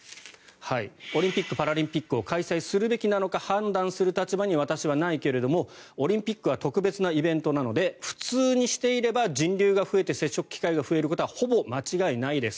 オリンピック・パラリンピックを開催するべきなのか判断する立場に私はないけどもオリンピックは特別なイベントなので普通にしていれば人流が増えて接触機会が増えることはほぼ間違いないです。